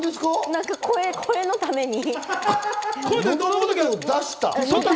何か声のために。